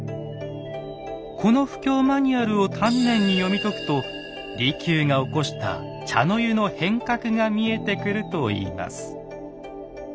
この布教マニュアルを丹念に読み解くと利休が起こした茶の湯の変革が見えてくるといいます。